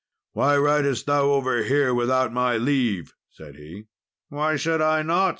"Why ridest thou over here without my leave?" said he. "Why should I not?"